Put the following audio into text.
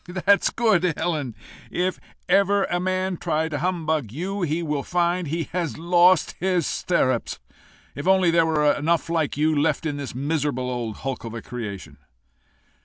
"That's good, Helen! If ever man try to humbug you, he will find he has lost his stirrups. If only there were enough like you left in this miserable old hulk of a creation!"